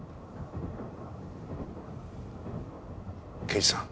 刑事さん